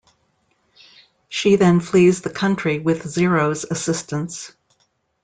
She then flees the country with Zero's assistance.